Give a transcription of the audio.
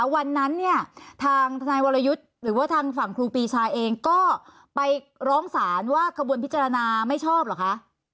วันนั้นเนี่ยทางทนายวรยุทธ์หรือว่าทางฝั่งครูปีชาเองก็ไปร้องศาลว่าขบวนพิจารณาไม่ชอบเหรอคะ